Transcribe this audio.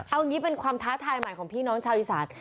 เอางี้เป็นความท้าทายใหม่ของพี่น้องชาวอีสาน